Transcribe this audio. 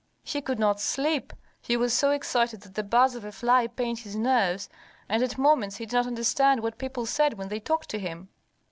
He could not sleep; he was so excited that the buzz of a fly pained his nerves, and at moments he did not understand what people said when they talked to him.